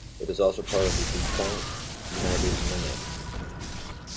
It is also part of the defunct United Linux.